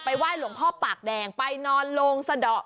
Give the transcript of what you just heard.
ไห้หลวงพ่อปากแดงไปนอนโลงสะดอก